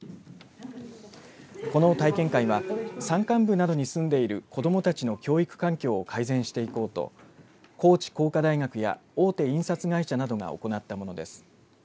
この体験会は山間部などに住んでいる子どもたちの教育環境を改善していこうと高知工科大学や大手印刷会社などが行ったものです。